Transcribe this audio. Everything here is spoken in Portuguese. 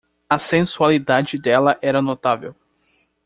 A sensualidade dela era notável.